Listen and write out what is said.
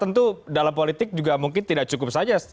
tentu dalam politik juga mungkin tidak cukup saja